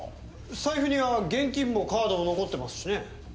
財布には現金もカードも残ってますしね。